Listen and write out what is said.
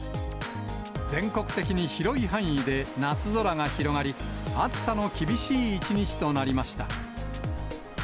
全国的に広い範囲で夏空が広がり、暑さの厳しい一日となりました。